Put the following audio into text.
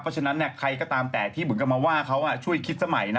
เพราะฉะนั้นใครก็ตามแต่ที่เหมือนกับมาว่าเขาช่วยคิดสมัยนะ